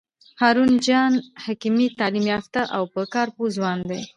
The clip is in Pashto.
هارون جان حکیمي تعلیم یافته او په کار پوه ځوان دی.